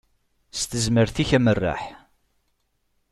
S tezmert-ik amerreḥ.